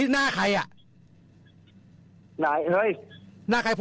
หน้าใคร